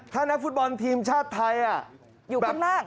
ถ้านักฟุตบอลทีมชาติไทยอยู่ข้างหน้า